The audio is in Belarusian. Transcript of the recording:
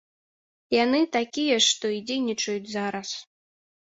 Яны такія ж, што і дзейнічаюць зараз.